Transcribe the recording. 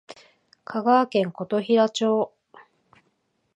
香川県琴平町